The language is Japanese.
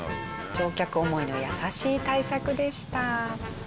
乗客思いの優しい対策でした。